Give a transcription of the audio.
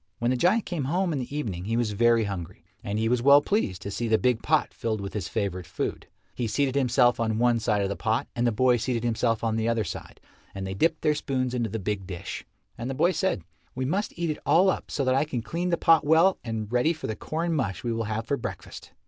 When the giant came home in the evening he was very hungry, and he was well pleased to see the big pot filled with his favourite food. He seated himself on one side of the pot, and the boy seated himself on the other side, and they dipped their spoons into the big dish. And the boy said, "We must eat it all up so that I can clean the pot well and ready for the corn mush we will have for breakfast."